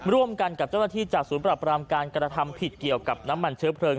ร่วมกันกับเจ้าหน้าที่จากศูนย์ปรับรามการกระทำผิดเกี่ยวกับน้ำมันเชื้อเพลิง